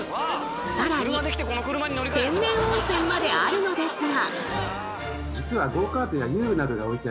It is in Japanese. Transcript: さらに天然温泉まであるのですが。